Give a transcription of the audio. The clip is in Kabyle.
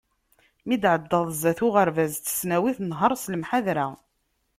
Mi d-tɛeddaḍ sdat n uɣerbaz d tesnawit, nher s lemḥadra.